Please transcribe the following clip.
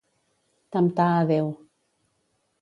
Temptar a Déu.